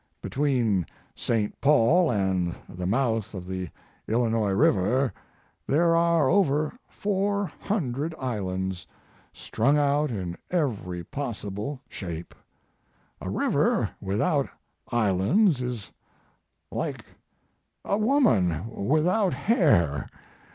Between St. Paul and the mouth of the Illinois river there are over four hundred islands, strung out in every possible shape. A river without islands is like a woman without hair.